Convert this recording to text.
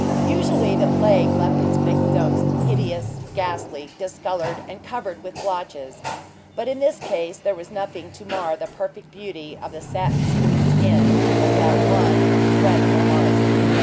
Usually the plague left its victims hideous, ghastly, discolored, and covered with blotches; but in this case then was nothing to mar the perfect beauty of the satin smooth skin, but that one dreadful mark.